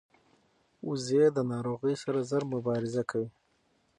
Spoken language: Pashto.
وزې د ناروغۍ سره ژر مبارزه کوي